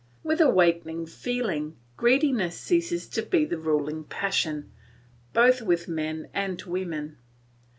With awakening feeling greediness ceases to be the ruling passion, both with men and women.